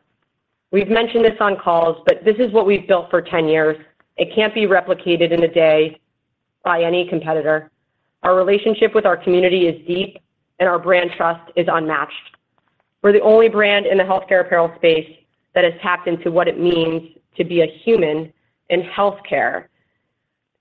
Speaker 3: We've mentioned this on calls, this is what we've built for 10 years. It can't be replicated in a day by any competitor. Our relationship with our community is deep, our brand trust is unmatched. We're the only brand in the healthcare apparel space that has tapped into what it means to be a human in healthcare.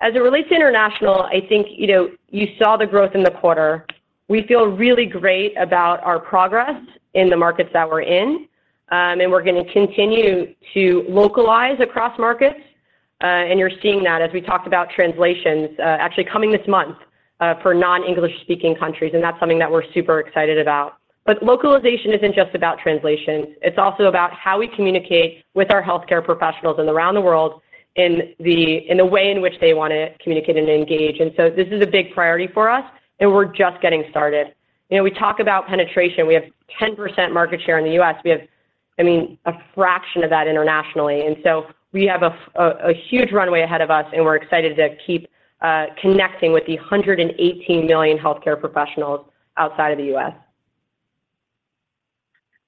Speaker 3: As it relates to international, I think, you know, you saw the growth in the quarter. We feel really great about our progress in the markets that we're in, and we're gonna continue to localize across markets, and you're seeing that as we talked about translations, actually coming this month, for non-English speaking countries, and that's something that we're super excited about. Localization isn't just about translation. It's also about how we communicate with our healthcare professionals and around the world in the way in which they wanna communicate and engage. This is a big priority for us, and we're just getting started. You know, we talk about penetration. We have 10% market share in the U.S. We have, I mean, a fraction of that internationally. We have a huge runway ahead of us, and we're excited to keep connecting with the 118 million healthcare professionals outside of the U.S.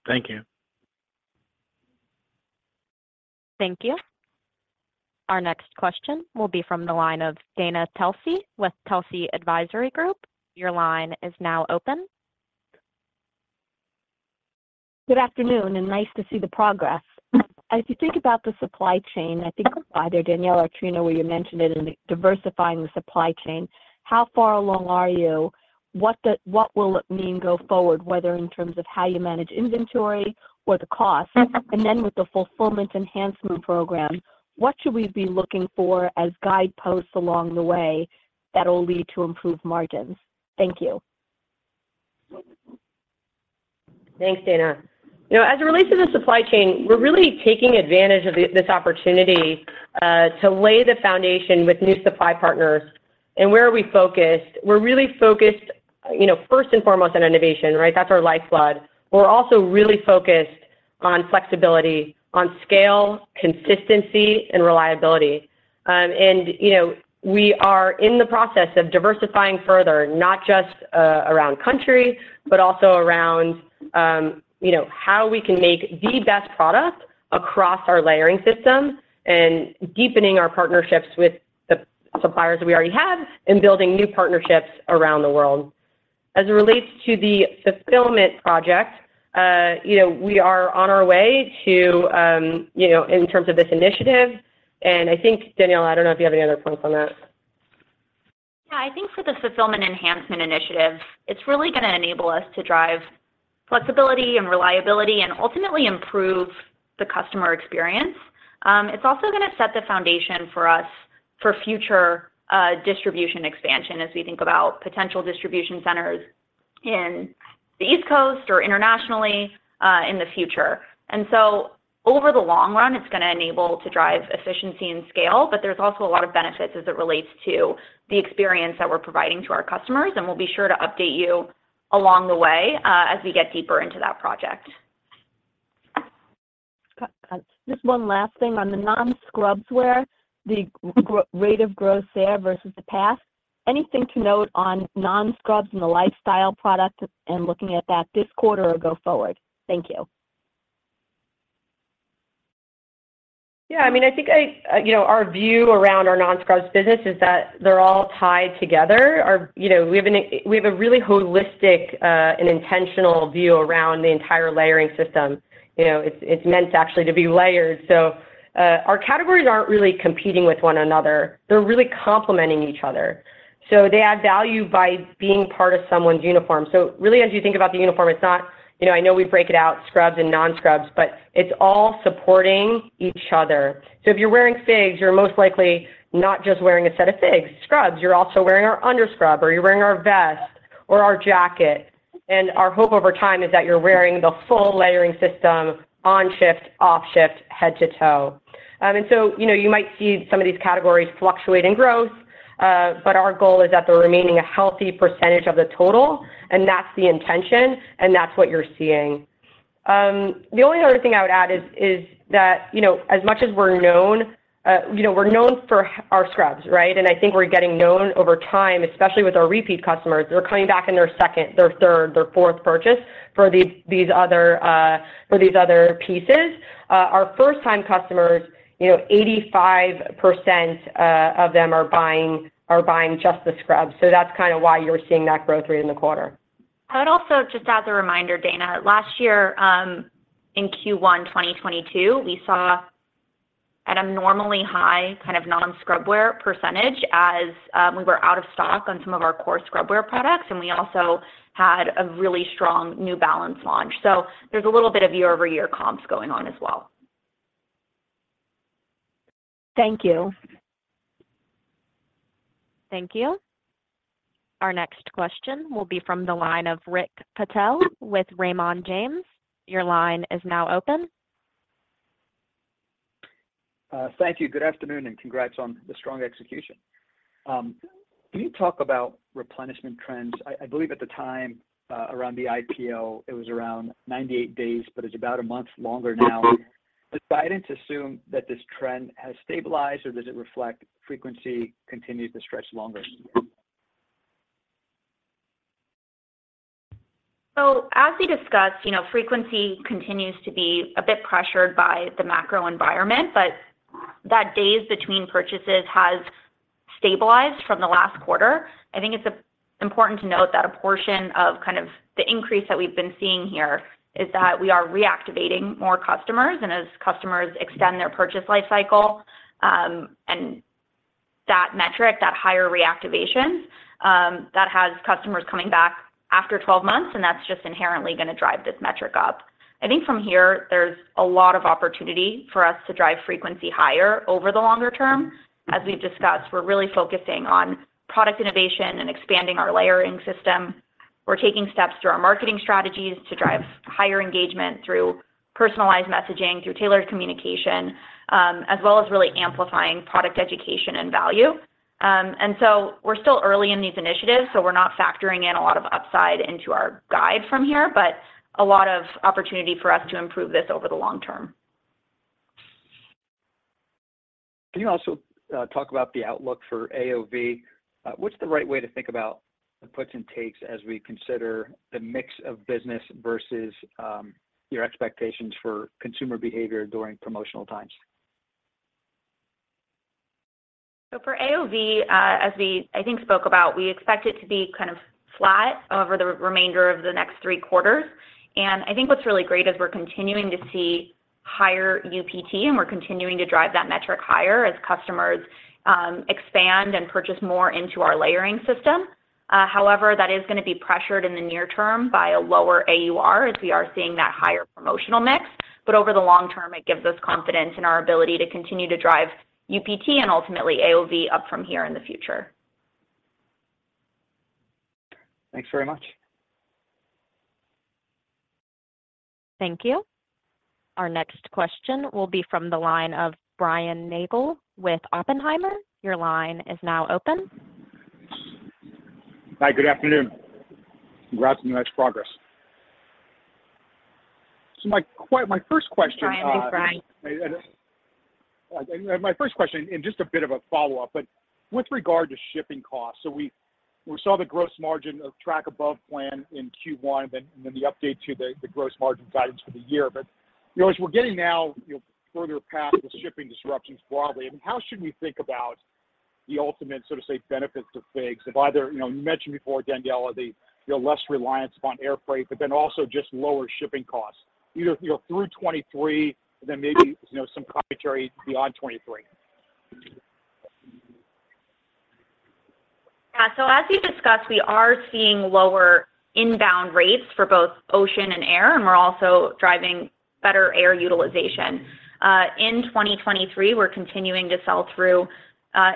Speaker 11: Thank you.
Speaker 5: Thank you. Our next question will be from the line of Dana Telsey with Telsey Advisory Group. Your line is now open.
Speaker 12: Good afternoon. Nice to see the progress. As you think about the supply chain, I think either Danielle or Trina, where you mentioned it in diversifying the supply chain, how far along are you? What will it mean go forward, whether in terms of how you manage inventory or the cost? With the fulfillment enhancement program, what should we be looking for as guideposts along the way that will lead to improved margins? Thank you.
Speaker 3: Thanks, Dana. You know, as it relates to the supply chain, we're really taking advantage of this opportunity to lay the foundation with new supply partners. Where are we focused? We're really focused, you know, first and foremost on innovation, right? That's our lifeblood. We're also really focused on flexibility, on scale, consistency, and reliability. You know, we are in the process of diversifying further, not just around country, but also around, you know, how we can make the best product across our layering system and deepening our partnerships with the suppliers that we already have and building new partnerships around the world. As it relates to the fulfillment project, you know, we are on our way to, you know, in terms of this initiative, I think, Daniela, I don't know if you have any other points on that.
Speaker 4: I think for the fulfillment enhancement initiative, it's really gonna enable us to drive flexibility and reliability and ultimately improve the customer experience. It's also gonna set the foundation for us for future distribution expansion as we think about potential distribution centers in the East Coast or internationally in the future. Over the long run, it's gonna enable to drive efficiency and scale, but there's also a lot of benefits as it relates to the experience that we're providing to our customers, and we'll be sure to update you along the way as we get deeper into that project.
Speaker 12: Just one last thing. On the non-Scrubs wear, the rate of growth there versus the past, anything to note on non-Scrubs and the lifestyle product and looking at that this quarter or go forward? Thank you.
Speaker 3: Yeah. I mean, I think I. You know, our view around our non-Scrubs business is that they're all tied together. You know, we have a really holistic and intentional view around the entire layering system. You know, it's meant actually to be layered. Our categories aren't really competing with one another. They're really complementing each other. They add value by being part of someone's uniform. Really, as you think about the uniform, it's not. You know, I know we break it out, Scrubs and non-Scrubs, but it's all supporting each other. If you're wearing FIGS, you're most likely not just wearing a set of FIGS Scrubs. You're also wearing our under Scrub, or you're wearing our vest or our jacket. Our hope over time is that you're wearing the full layering system on shift, off shift, head to toe. you know, you might see some of these categories fluctuate in growth, but our goal is that they're remaining a healthy % of the total, and that's the intention, and that's what you're seeing. The only other thing I would add is that, you know, as much as we're known, you know, we're known for our Scrubs, right? I think we're getting known over time, especially with our repeat customers. They're coming back in their second, their third, their fourth purchase for these other pieces. Our first time customers, you know, 85% of them are buying just the Scrubs. That's kinda why you're seeing that growth rate in the quarter.
Speaker 4: I would also, just as a reminder, Dana, last year, in Q1 2022, we saw at a normally high kind of non-Scrub wear percentage as we were out of stock on some of our core Scrub wear products, and we also had a really strong New Balance launch. There's a little bit of year-over-year comps going on as well.
Speaker 12: Thank you.
Speaker 5: Thank you. Our next question will be from the line of Rick Patel with Raymond James. Your line is now open.
Speaker 13: Thank you. Good afternoon, and congrats on the strong execution. Can you talk about replenishment trends? I believe at the time, around the IPO, it was around 98 days, but it's about a month longer now. Is guidance assumed that this trend has stabilized, or does it reflect frequency continues to stretch longer?
Speaker 4: As we discussed, you know, frequency continues to be a bit pressured by the macro environment, but that days between purchases has stabilized from the last quarter. I think it's important to note that a portion of kind of the increase that we've been seeing here is that we are reactivating more customers and as customers extend their purchase life cycle, and that metric, that higher reactivation, that has customers coming back after 12 months, and that's just inherently gonna drive this metric up. I think from here, there's a lot of opportunity for us to drive frequency higher over the longer term. As we've discussed, we're really focusing on product innovation and expanding our layering system. We're taking steps through our marketing strategies to drive higher engagement through personalized messaging, through tailored communication, as well as really amplifying product education and value. We're still early in these initiatives, so we're not factoring in a lot of upside into our guide from here, but a lot of opportunity for us to improve this over the long term.
Speaker 13: Can you also talk about the outlook for AOV? What's the right way to think about the puts and takes as we consider the mix of business versus your expectations for consumer behavior during promotional times?
Speaker 4: For AOV, as we, I think, spoke about, we expect it to be kind of flat over the remainder of the next three quarters. I think what's really great is we're continuing to see higher UPT, and we're continuing to drive that metric higher as customers expand and purchase more into our layering system. However, that is gonna be pressured in the near term by a lower AUR as we are seeing that higher promotional mix. Over the long term, it gives us confidence in our ability to continue to drive UPT and ultimately AOV up from here in the future.
Speaker 13: Thanks very much.
Speaker 5: Thank you. Our next question will be from the line of Brian Nagel with Oppenheimer. Your line is now open.
Speaker 14: Hi. Good afternoon. Congrats on the nice progress. My first question.
Speaker 4: Hi, Brian. Thanks, Brian.
Speaker 14: My first question, just a bit of a follow-up, with regard to shipping costs, we saw the gross margin of track above plan in Q1, then, the update to the gross margin guidance for the year. You know, as we're getting now, you know, further past the shipping disruptions broadly, I mean, how should we think about the ultimate, so to say, benefits to FIGS of either, you know, you mentioned before, Daniella, the, you know, less reliance upon air freight, but then also just lower shipping costs, either, you know, through 2023, then maybe, you know, some commentary beyond 2023?
Speaker 4: As we discussed, we are seeing lower inbound rates for both ocean and air, and we're also driving better air utilization. In 2023, we're continuing to sell through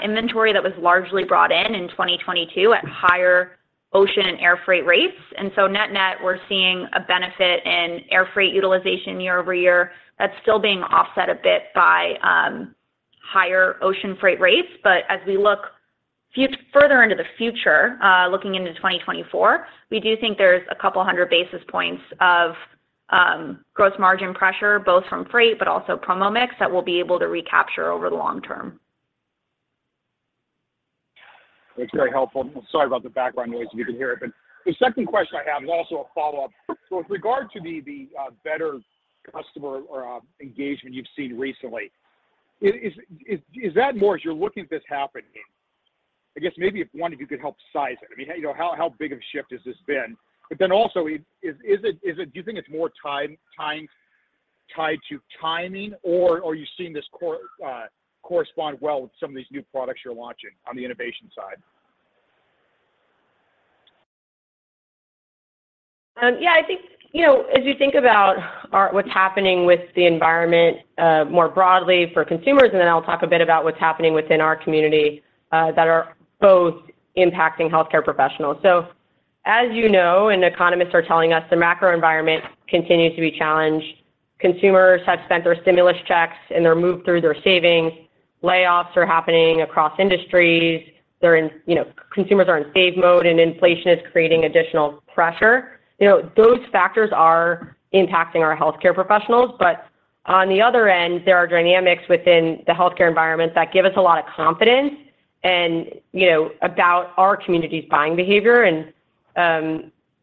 Speaker 4: inventory that was largely brought in in 2022 at higher ocean and air freight rates. Net-net, we're seeing a benefit in air freight utilization year-over-year. That's still being offset a bit by higher ocean freight rates. As we look further into the future, looking into 2024, we do think there's a couple 100 basis points of gross margin pressure, both from freight, but also promo mix, that we'll be able to recapture over the long term.
Speaker 14: That's very helpful. Sorry about the background noise, if you can hear it. The second question I have is also a follow-up. With regard to the better customer or engagement you've seen recently, is that more as you're looking at this happening? I guess maybe if one of you could help size it. I mean, how, you know, how big of a shift has this been? Also, do you think it's more time tied to timing or are you seeing this correspond well with some of these new products you're launching on the innovation side?
Speaker 3: Yeah. I think, you know, as you think about what's happening with the environment, more broadly for consumers, and then I'll talk a bit about what's happening within our community that are both impacting healthcare professionals. As you know, and economists are telling us, the macro environment continues to be challenged. Consumers have spent their stimulus checks, and they're moved through their savings. Layoffs are happening across industries. You know, consumers are in save mode, and inflation is creating additional pressure. You know, those factors are impacting our healthcare professionals. On the other end, there are dynamics within the healthcare environment that give us a lot of confidence and, you know, about our community's buying behavior.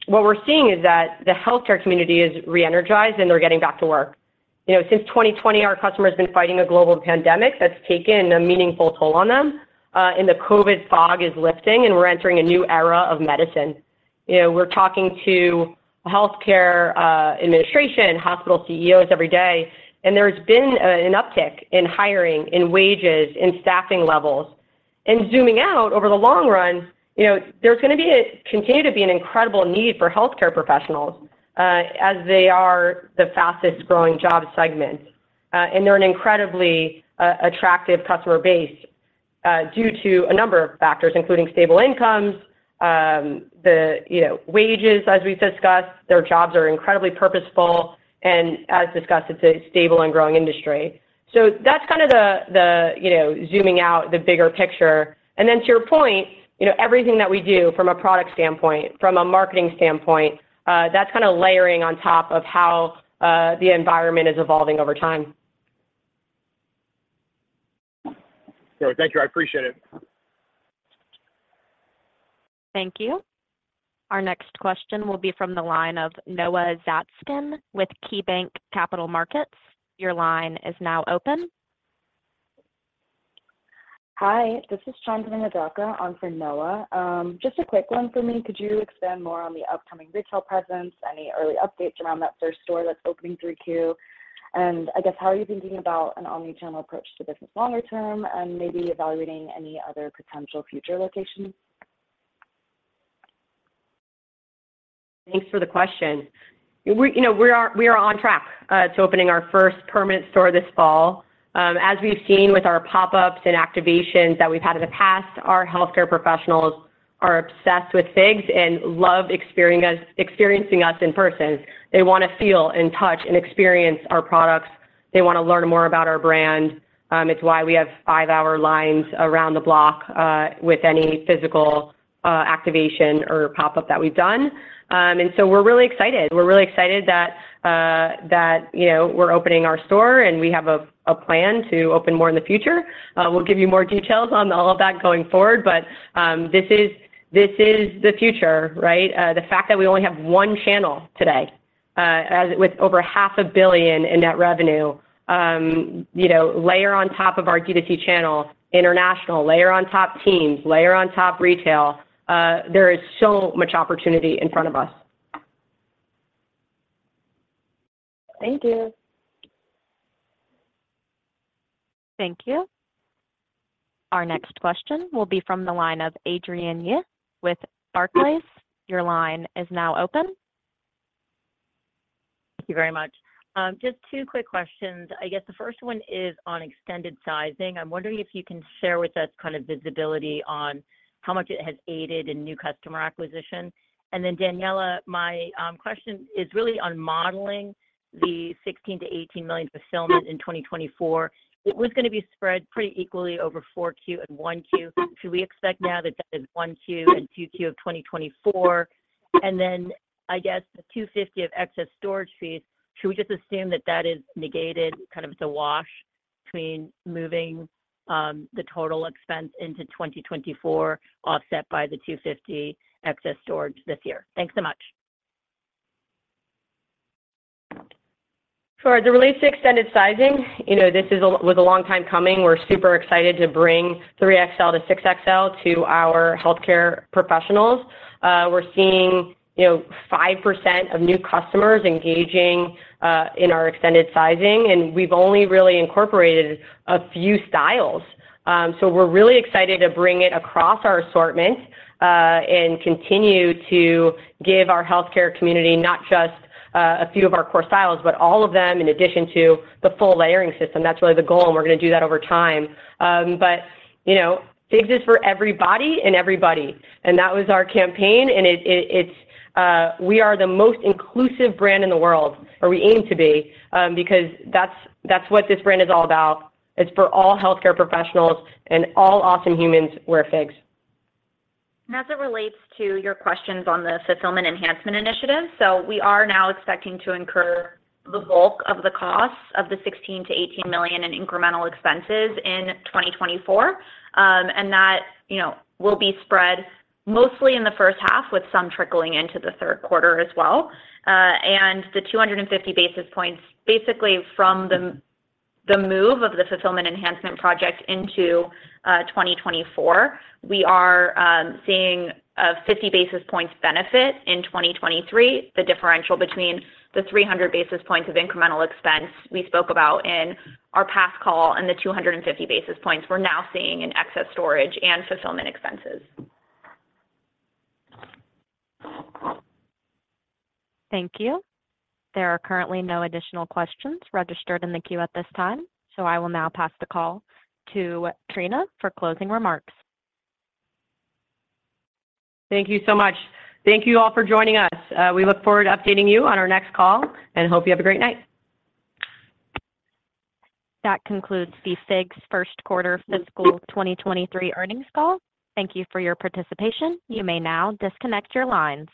Speaker 3: What we're seeing is that the healthcare community is re-energized, and they're getting back to work. You know, since 2020, our customers have been fighting a global pandemic that's taken a meaningful toll on them, the COVID fog is lifting, and we're entering a new era of medicine. You know, we're talking to healthcare administration, hospital CEOs every day, there's been an uptick in hiring, in wages, in staffing levels. Zooming out, over the long run, you know, there's gonna continue to be an incredible need for healthcare professionals as they are the fastest-growing job segment. They're an incredibly attractive customer base due to a number of factors, including stable incomes, you know, wages, as we've discussed. Their jobs are incredibly purposeful, and as discussed, it's a stable and growing industry. That's kind of the, you know, zooming out, the bigger picture. Then to your point, you know, everything that we do from a product standpoint, from a marketing standpoint, that's kinda layering on top of how the environment is evolving over time.
Speaker 14: All right. Thank you. I appreciate it.
Speaker 5: Thank you. Our next question will be from the line of Noah Zatzkin with KeyBanc Capital Markets. Your line is now open.
Speaker 15: Hi, this is Chandana Madaka on for Noah. Just a quick one for me. Could you expand more on the upcoming retail presence? Any early updates around that first store that's opening 3Q? I guess, how are you thinking about an omni-channel approach to business longer term and maybe evaluating any other potential future locations?
Speaker 3: Thanks for the question. We're, you know, we are on track to opening our first permanent store this fall. As we've seen with our pop-ups and activations that we've had in the past, our healthcare professionals are obsessed with FIGS and love experiencing us in person. They wanna feel and touch and experience our products. They wanna learn more about our brand. It's why we have five-hour lines around the block with any physical activation or pop-up that we've done. We're really excited that, you know, we're opening our store, and we have a plan to open more in the future. We'll give you more details on all of that going forward, this is the future, right? The fact that we only have one channel today, as with over half a billion dollars in net revenue. You know, layer on top of our D2C channel, international, layer on top TEAMS, layer on top retail. There is so much opportunity in front of us.
Speaker 15: Thank you.
Speaker 5: Thank you. Our next question will be from the line of Adrienne Yih with Barclays. Your line is now open.
Speaker 16: Thank you very much. Just two quick questions. I guess the first one is on extended sizing. I'm wondering if you can share with us kind of visibility on how much it has aided in new customer acquisition. Daniella, my question is really on modeling the $16 million-$18 million fulfillment in 2024. It was gonna be spread pretty equally over 4Q and 1Q. Should we expect now that that is 1Q and 2Q of 2024? I guess the $250 of excess storage fees, should we just assume that that is negated, kind of it's a wash? Between moving, the total expense into 2024 offset by the $250 excess storage this year. Thanks so much.
Speaker 3: For the release extended sizing, you know, this was a long time coming. We're super excited to bring 3 XL to 6 XL to our healthcare professionals. We're seeing, you know, 5% of new customers engaging in our extended sizing, and we've only really incorporated a few styles. We're really excited to bring it across our assortment and continue to give our healthcare community not just a few of our core styles, but all of them in addition to the full layering system. That's really the goal, and we're gonna do that over time. You know, FIGS is for everybody and everybody, and that was our campaign, and it's we are the most inclusive brand in the world, or we aim to be, because that's what this brand is all about. It's for all healthcare professionals and all awesome humans wear FIGS.
Speaker 4: As it relates to your questions on the fulfillment enhancement initiative, we are now expecting to incur the bulk of the costs of the $16 million-$18 million in incremental expenses in 2024. That, you know, will be spread mostly in the first half with some trickling into the third quarter as well. The 250 basis points, basically from the move of the fulfillment enhancement project into 2024, we are seeing a 50 basis points benefit in 2023, the differential between the 300 basis points of incremental expense we spoke about in our past call and the 250 basis points we're now seeing in excess storage and fulfillment expenses.
Speaker 5: Thank you. There are currently no additional questions registered in the queue at this time. I will now pass the call to Trina for closing remarks.
Speaker 3: Thank you so much. Thank you all for joining us. We look forward to updating you on our next call and hope you have a great night.
Speaker 5: That concludes the FIGS first quarter fiscal 2023 earnings call. Thank you for your participation. You may now disconnect your lines.